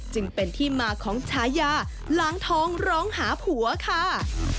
จึงเป็นที่มาของฉายาล้างท้องร้องหาผัวค่ะ